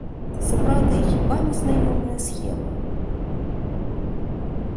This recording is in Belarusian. Сапраўды, хіба не знаёмая схема?